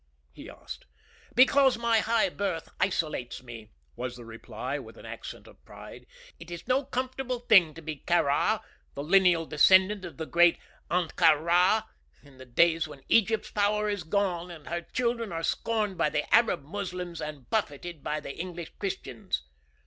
he asked. "Because my high birth isolates me," was the reply, with an accent of pride. "It is no comfortable thing to be Kāra, the lineal descendant of the great Ahtka Rā, in the days when Egypt's power is gone, and her children are scorned by the Arab Muslims and buffeted by the English Christians."